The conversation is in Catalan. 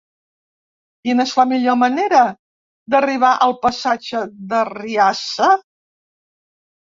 Quina és la millor manera d'arribar al passatge d'Arriassa?